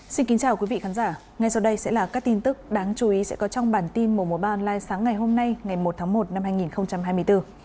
xin kính chào quý vị khán giả ngay sau đây sẽ là các tin tức đáng chú ý sẽ có trong bản tin mùa mùa ban online sáng ngày hôm nay ngày một tháng một năm hai nghìn hai mươi bốn